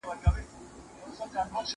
ساینسپوهان د حافظې د ښه کولو لارې لټوي.